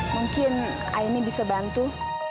mungkin aini bisa bantu